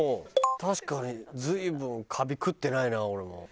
確かに随分カビ食ってないな俺も。